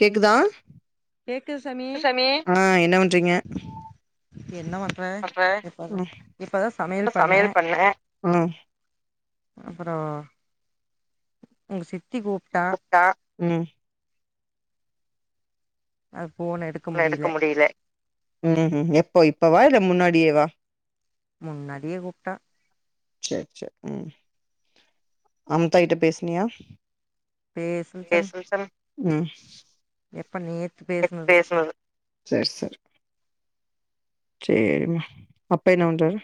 கேக்குதா கேக்குது சாமி [inaudible] சனி ஆ என்ன பண்றீங்க என்ன பண்ற பாப்பு இப்ப தா சமையல் பண்ணே உம் அப்பறோ உங்க சித்தி கூப் கூப்ட்டா ம் அது ஃபோன் எடுத் ஃபோன் எடுக்க முடியல ம் எப்போ இப்பவா இல்ல முன்னாடியேவா முன்னாடியே கூப்ட்டா சேர் சேரி ம் அம்தா கிட்ட பேசுனியா பேசல சாமி எஸ் எல் சம் ம் எப்ப நேத்து பே பேசுனது சேர் செரி சேரிம்மா அப்பா என்ன பண்றாரு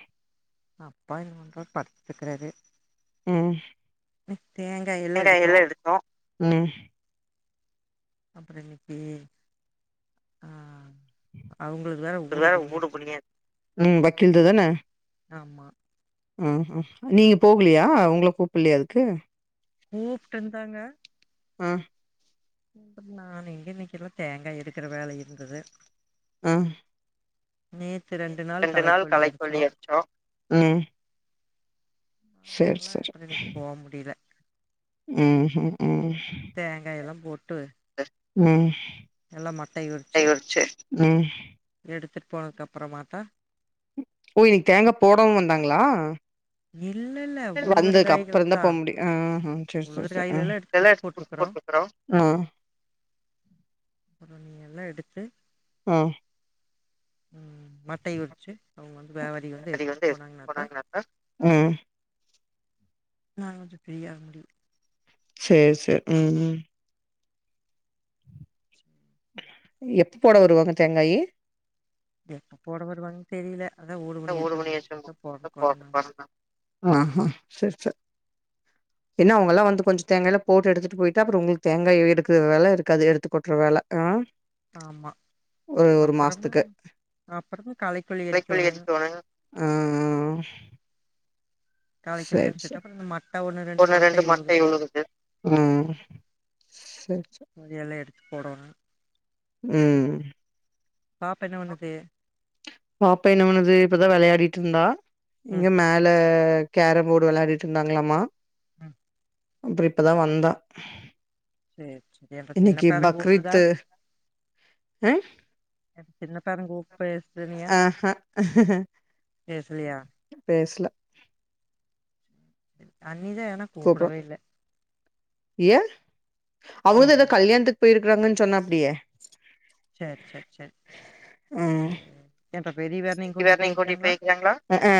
அப்பா என்ன பண்றாரு படுத்துட் இருக்குறாரு ம் ம் தேங்காய தேங்காய் எல்லா எடுத்தோ ம் அப்பறோ இன்னக்கி ஆ அவுங்களுக்கு வேற ஒரு ஊடு வேல புடிங்காச்சின்ன புடியாது ம் வக்கீல்து ஆமா ஹ ஹ நீங்க போகலியா உங்கள கூப்ல்லயா அதுக்கு கூப்ட்டு இருந்தாங்க ஆ நான் எங்க இன்னக்கி எல்லா தேங்கா எடுக்குற வேல இருந்தது ம் நேத்து ரெண்டு நாள் களைக் கொல்லி அடிச்சோ ம் சரி, அதுனால அப்பறோ இன்னக்கி போ முடில ம் ஹூ ம் தேங்காயல்லா போட்டு அது ம் நல்லா மட்டைய கை உரிச்சு ஒடச்சி ம் எடுத்துட்டு போனதுக்கு அப்பறமாத்தா ஓ இன்னக்கி தேங்கா போடவு வந்தாங்களா இல்ல இல்ல உழுகுற காய்களுக்கு தா ம் ஹூ சேர் சேரி சேரி ஆ எல்லா குட்டு எடுத்து குடுத்து போட்ருக்குறோ போட்டு வந்துற்றோ ஆ அப்பறோ நீங்க எல்லா எடுத்து ஆ. ம் மட்டைய உரிச்சி அவங்க வந்து வியாபாரிக வந்து அதை வந்து எடுத்துட்டு போனாங்கனாக்கா ம் நா கொஞ்சோ ஃப்ரீயாக முடியு சேர் சேரி ம் ம் சும்மா எப்ப போட வருவாங்க தேங்காய் எப்ப போட வருவாங்கன்னு தெரியல அதா ஒரு ஒருமணியாச்சா முடிச்சிட்டுதா போறதுக்கு கொறன்னா ஆ ஆ சேர் சேர் என்ன அவுங்கல்லா வந்து கொஞ்சோ தேங்காய்ல்லா போட்டு எடுத்துட்டு போயிட்டா அப்பறோ உங்களுக்கு தேங்காய எடுக்க வேல இருக்காது எடுத்து கொட்டுற வேல ஆ ஆமா ஒரே ஒரு அப்புறமா மாசத்துக்கு அப்புறமா களைக்கொல்லி களைக் கொள்ளி அடிக்கோணு எடுத்துட்டு வாங்க ஆ ஆ களைக்கொல்லி சேரி அடிச்சுட்டு சேரி அப்புறோ இந்த மட்ட ஒண்ணு ரெண்டு மட்டை உழுகுது விழுகுது ம் சேர் சேரி அதை எல்லா எடுத்து போடனு ம் பாப்பா என்ன பண்ணுது பாப்ப என்ன பண்ணுது இப்பதா வெளயாடிட்ருந்தா இங்க ம் மேல கேரம் போடு வெளயாடிட்ருந்தாங்ளாமா ம் அப்றோ இப்பதா வந்தா சேரி சேரி அப்ப சின்ன இன்னிக்கி பேர கூப்ட்டுதா பக்ரீத்து ஆ தின்னுப்பாருங்க உப்பு ஆ ஹா பேசலியா பேசல அண்ணி தா எதனா [unintelligible] ஏ அவுங்க தா என்ன எதா கல்யாண்த்துக் போய்ருக்றாங்கன் சொன்னாப்டியே சேர் சேர் சேர் ம் சேர் என்ற பெரியவர்னை கூட்டி வேறனையு கூட்டிட்டு போய்க்றாங்ளா போயிருக்காங்களா அ ஆ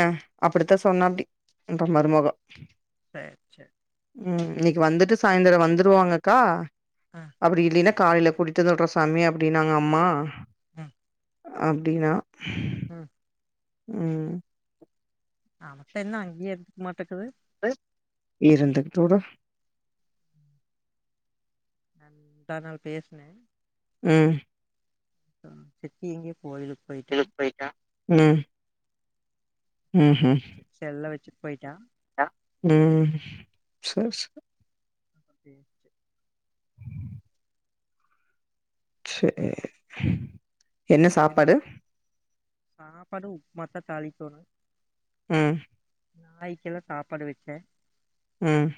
அப்டித்தா சொன்னாப்டி உன்ற மருமகொ சேர் சேர் ம்‌ இன்னக்கி வந்துட்டு சாயந்தரோ வந்துருவாங்கக்கா ஆ அப்டி இல்லினா காலைல கூட்டிட் வந்து வுட்றோ சாமி அப்டின்னாங்க அம்மா ம் அப்டினா ம் ம் அமத்த இன்னு அங்கே இருந்துக்கு மாட்டக்கிது இருந்துக்ட்டு வுடு நான் முந்தாநாள் பேசனே ம் ஆ சித்தி எங்கே கோய்லுக் ம் சேர் ம்ஹும் சேர் செல்ல வச்சுட் போய்ட்டா ம் சே சே அப்டின்ச்சு சேரி என்ன சாப்பாடு சாப்பாடு உப்மா தா தாளிக்கோனு ம் நாய்க்கில்லா சாப்பாடு வச்சே ம்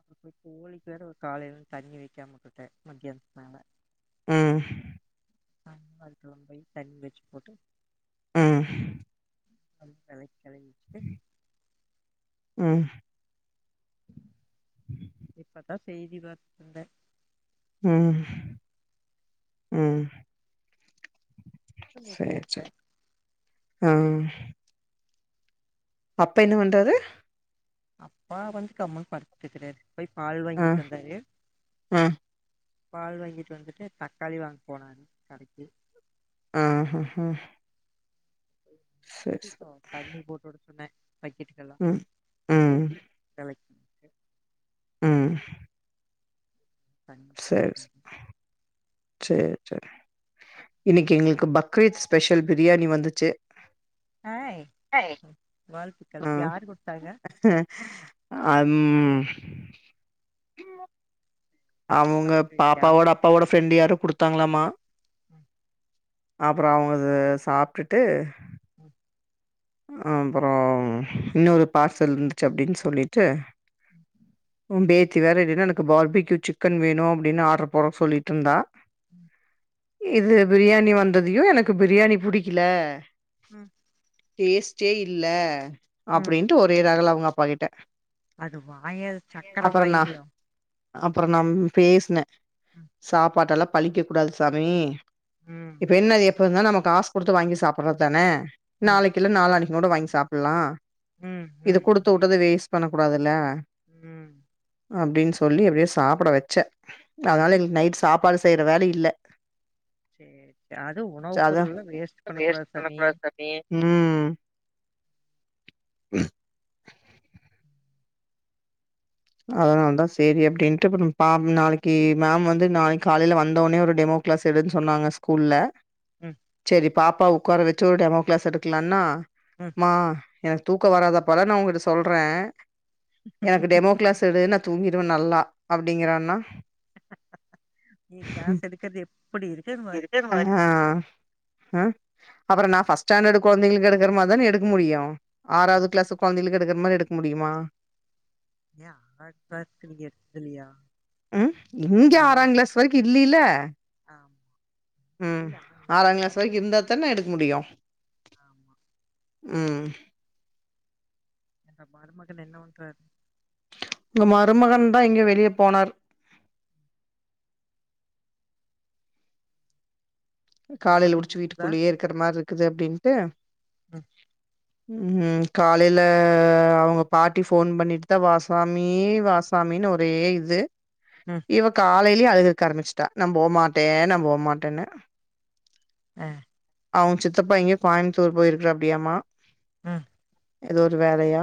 அப்ப போய் கோழிக் வேற காலைலந் தண்ணி வக்காம வுட்டுட்டே மத்யான்த்துக்கு மேல ம் தண்ணி மாடத்துல கொண்டு போய் தண்ணி வச்சு போட்டு ம் போய் வெலக்கழுவி வச்சுட்டு ம் இப்பதா செய்தி [inaudible] இருந்தே ம் ம் நீ சேரி கூப்பிட்ட சேர் ஆ அப்ப என்ன பண்றது அப்பா வந்து கம்முன் படுத்துகிறாரு போய் பால் ஆ வாங்கிட் வந்தாரு ஆ பால் வாங்கிட்டு வந்துட்டு தக்காளி வாங்க போனாரு கடைக்கி அஹஹா சேர் தண்ணி போட்டுட சொன்னே பைக்கெட் ம் ம் கலெக் ம் தண்ணி சேர் போட்டுட்டு சேர் சேரி இன்னிக்கு எங்ளுக்கு பக்ரீத் ஸ்பெஷல் பிரியாணி வந்துச்சு ஆய் ஏய் ம், வாழ்த்துக்கள் ம் யார் கொடுத்தாங்க அம் அவுங்க பக்கத்து வீட்லையா பாப்பாவோட அப்பாவோட ஃப்ரெண்ட்டு யாரோ குடுத்தாங்களாமா ம் அப்றோ அவங்க அத சாப்டுட்டு ம் அப்றோம் இன்னொரு பார்சல் இருந்துச்சு அப்டின் சொல்லிட்டு உ பேத்தி வேற டின்னருக்கு பார்பிக்யூ சிக்கன் வேணு அப்டினு ஆட்ரு போட சொல்லிட்ருந்தா ம் இது பிரியாணி வந்ததியு எனக்கு பிரியாணி புடிக்ல ம் டேஸ்ட்டே இல்ல ம் அப்டின்ட்டு ஒரே ரகல அவங்க அப்பா கிட்ட அது வாயா சக்கர வாயில அப்றோ நான் பேசுனே ம் சாப்பாட்டெல்லா பழிக்க கூடாது சாமி இப்ப ம் என்ன அது எப்ப இருந்தாலு நம்ம காசு குடுத்து வாங்கி சாப்பறதுதானே ம் நாளைக் இல்ல நாளானிக்னொட வாங்கி சாப்பெல்லா ம் இதுக் ம் குடுத்துட்டதே வேஸ்ட் பண்ணக் கூடாதுல்ல ம் அப்டின் சொல்லி அப்டியே சாப்ட வெச்சே அதனால அது இன்னிக் நைட் சாப்பாடு செய்ற வேலை இல்ல சேரி அதுவு உணவுப் அதா பொருள்லா வேஸ்ட் பண்ண கூடாது சாமி பண்ணக்கூடாது சாமி ம் அதனால தா சேரி அப்டின்ட்டு அப்றோ பாம் நாளைக்கி மேம் வந்து நாளைக் காலைல வந்தோனே ஒரு டெமோ க்ளாஸ் எடுன் சொன்னாங்க ஸ்கூல்ல ம் செரி பாப்பாவ ஒக்கார வச்சி ஒரு டெமோ கிளாஸ் எடுக்கலானா ம் மா எனக்கு தூக்க வராதபெல்லா நா ஒங்கிட்ட சொல்றே எனக்கு டெமோ கிளாஸ் எடு நா தூங்கிடுவே நல்லா அப்பிடிங்கறான்னா நீ கிளாஸ் எடுக்கறது எப்டி இருக்குற நா ஆ அ அப்றோ நா ஃபர்ஸ்ட் ஸ்டாண்டர்டு கொழந்தைங்களுக்கு எடுக்ற மாரி தானே எடுக்க முடியு ஆறாது கிளாஸு கொழந்தைகளுக்கு எடுக்ற மாரி எடுக்க முடியுமா யா [unintelligible] நீ எடுக்கலையா ஆ இப்போதைக் இல்லில்ல ஆம் ம் ஆறாங் கிளாஸ் வரைக்கு இருங்க இருந்தாத் தானே எடுக்க முடியு ஆமா ம் என்ற மருமகன் என்ன பண்றார் உங்க மருமகன் தா எங்கேயோ வெளியே போனார் காலையில சம்மந்தி புடிச்சு கேக்குதா வீட்டுக்குள்ளியே இருக்கிற மாரி இருக்குது அப்டின்ட்டு ம் ம் காலையில அவங்க பாட்டி ஃபோன் பண்ணிட் டு வா சாமி வா சாமின் ஒரே இது ம் இவ காலையிலயே அழுகற்க் ஆரம்பிச்சுட்டா நா போமாட்டே நா போமாட்டேன்னு அ அவுங் சித்தப்பா எங்கயோ கோயமுத்தூர் போயிருக்கிறார் அப்டியாமா ம் எதோ ஒரு வேலையா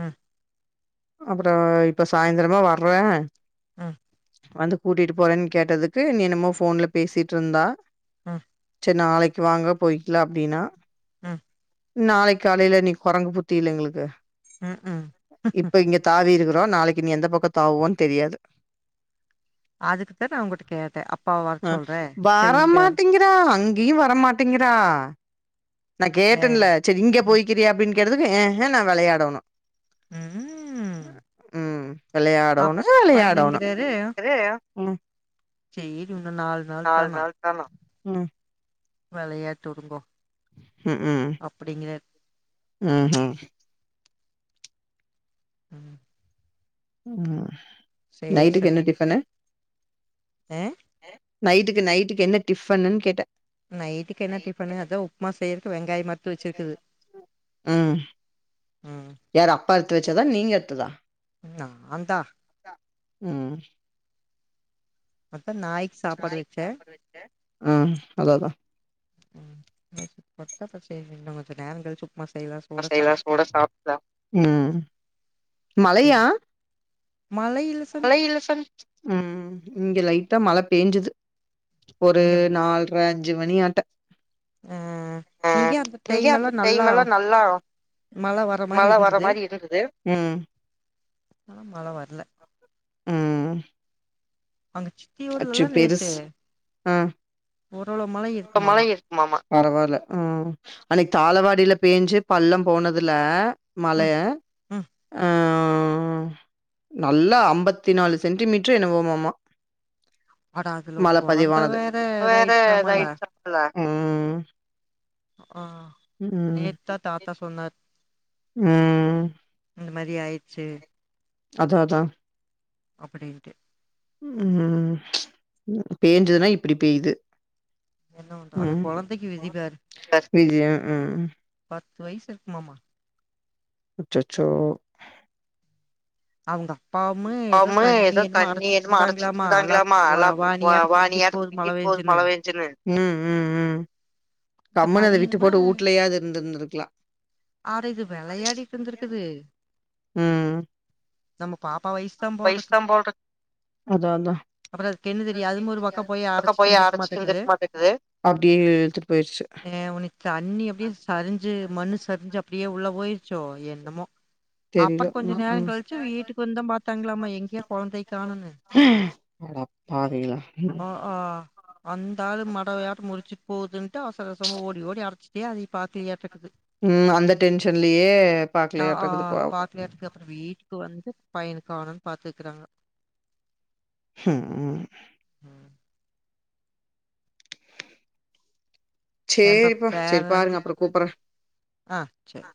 ம் அப்புறோ இப்ப சாய்ந்திரமா வர்றே ம் வந்து கூட்டிட்டு போறேன் கேட்டதுக்கு நீ என்னமோ ஃபோன்ல பேசிட்டு இருந்தா ம் நாளக்கி வாங்க போயிக்கலா அப்டின்னா ம் நாளைக் காலையில நீ கொரங்கு புத்தி இல்ல எங்களுக்கு ம் ம் இப்ப இங்க தாவி இருக்கிறோ நாளைக்கு ன்னி எந்த பக்கோ தாவுவோன் தெரியாது அதுக்கு தா நா உங்கட்ட கேட்டே அப்பாவ வர சொல்றே சரி இங்க தா அங்கியு வரமாட்டேங்கிறா நா ஆ கேட்டேன்லே செரி இங்க ம் போய்க்கிறியா அப்டின் கேட்டதுக்கு ஏ ஹெ நா வெளையாடணு ம் ம் வெளையாடோனு அப்பா வெளையாடோனு என்னங்கிறாரு அது என்ன சேரி இன்னோர் நால் நால் நாள்தானோ ம் வெளையாட்டு உடுங்கோ ம் ம் அப்படிங்கிறர் ம் ம் ம் ம் சேரி நைட்டுக்கு என்ன டிஃப்ஃபன்னு ஏ நைட்டுக்கு நைட்டுக்கு என்ன டிஃப்பன்னுனு கேட்ட நைட்டுக்கு என்ன டிஃப்பனு அதா உப்மா செய்றுக்கு வெங்காயம் அற்த்து வெச்சுக்குது ம் ம் யாரு அப்பா எடுத்து வச்சதா நீங்க எடுத்ததா நாந்தா ம் வத்த நாய் ம் அதா அதா ம் [unintelligible] பசேல்னு இன்னு கொஞ்ச நேரங் கழிச்சு உப்புமா செய்லா சொ ஆ செய்லா சுடா சாப்புல்லா ம் ம் மழையா அப்டின்னு மழை இல்ல சாமி மழை இல்ல சொல்லு ம் இங்க லைட்டா மழ பெஞ்சுது ஒரு நால்ர அஞ்சு மணியாட்ட அ அ இங்கயு அந்த டைம் இங்கயு எல்லா அந்த நல்லா டைம் எல்லா நல்லா மழ வர மாரி மழ வர இருந்துது மாரி இருந்தது ம் ஆனா மழ வர்ல ம் ம் அவுங்க சித்தி ஊர்லல்லா நேத்து பெருஸ் ஆ ஓரளவு மழ இப்ப மழை இருக்குமாம்மா பரவால்ல ம் அன்னிக்கு தாளவாடில பேஞ்சு பள்ளம் போனதுல ம் மழையா ம் ஆ ஓ நல்லா அம்பத்தி நாலு சென்டிமீட்ரு என்னவோமாம்மா அட அதுல ஒரு மழ கொழந்த பதிவானது வேற வேற இதாயிடுச்சாமல்ல [unintelligible] ம் ம் ஆ ஹ நேத்தா தாத்தா சொன்னாரு ம் ம் இந்த மாரி ஆயிட்ச்சு அதுவு அதா அப்புடின்ட்டு ம் ம் பேஞ்சுதுன்னா இப்புடி பேய்து என்ன பண்ற அந்த ம் கொழந்தைக்கு விதி பாரு ஃபர்ஸ்ட் பி ஜியா ம் ம் பத்து வய்சு இருக்குமாம்மா அச்சச்சோ அவுங்க அப்பாவுமே ஏதோ பாவமு தண்ணி ஏதோ என்னமோ தண்ணி அடச்சிட்டு என்னமோ அரைச்சிட்டு இருந்தாங்ளாமா எல்லா வா வா நீயாட்டோ புடுங்கிட் புடுங்கிட்டு போது மல பெஞ்சோன்ன இந்த கம்முன்னு அத விட்டு பையனுமே போட்டு ஊட்லயாது இருந்திருந்துருக்லா ஆரு இது வெளையாடிட்டு இருந்துருக்குது ம் நம்ம பாப்பா வய்ஸ் வெய்ஸ்தா போல்ருக்கு அதா அதா அப்றோ அதுக்கு என்ன தெரியு அதும் ஒரு பக்கோ போய் அடைச்சிட்டு இருந்திருக்க மாட்டேக்குது அப்டியே இழுத்துட்டு போயிருச்சு ஏ உனிக் தண்ணி அப்டியே சருஞ்சு மண்ணு சருஞ்சு அப்டியே உள்ள போயிருச்சோ என்னமோ தெரில அப்பறோ கொஞ்ச ம் நேரோ ம் கழ்ச்சு வீட்டுக்கு வந்து தா பாத்தாங்ளாம்மா எங்கேயா கொழந்தைய காணுன்னு ஆ பாவிங்களா ம் ஆ அந்த ஆளு மடவையாட்டோ முலுசுட் போவுதுன்ட்டு அவசர அவசரமா ஓடி ஓடி அடச்சுட்டே அதையு பாத்தியாட்ருக்குது ம் அந்த டென்ஷன்லயே பாக்கலையாட்ருக்குது பாவோ ட்ரியாட்ருக்கு அப்பறோ வீட்டுக்கு வந்து பையன காணுன் பாத்துக்கிறாங்க ம் உம் ம் ம் என்ற சேரிப்பா சரி பேராண்டி பாருங்க அப்புறோ கூப்புட்றே ஆ சரி